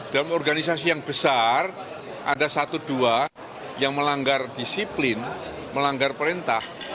dalam organisasi yang besar ada satu dua yang melanggar disiplin melanggar perintah